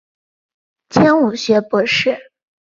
迁武学博士。